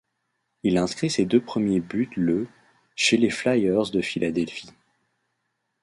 Il inscrit ses deux premiers buts le chez les Flyers de Philadelphie.